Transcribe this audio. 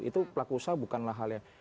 itu pelaku usaha bukanlah hal yang